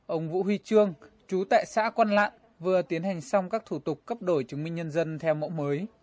ông vũ huy trương chú tại xã quan lạng vừa tiến hành xong các thủ tục cấp đổi chứng minh nhân dân theo mẫu mới